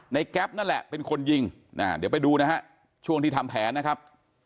แก๊ปนั่นแหละเป็นคนยิงเดี๋ยวไปดูนะฮะช่วงที่ทำแผนนะครับ